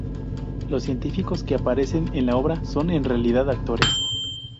Los científicos que aparecen en la obra son en realidad actores.